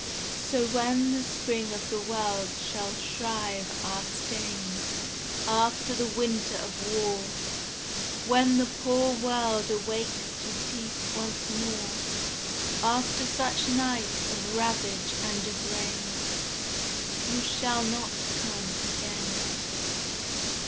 So when the spring of the world shall shrive our stain, After the winter of war, When the poor world awakes to peace once more, After such night of ravage and of rain, You shall not come again.